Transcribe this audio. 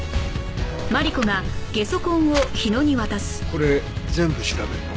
これ全部調べるの？